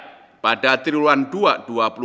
ketidakpastian pasar keuangan international